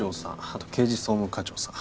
あと刑事総務課長さん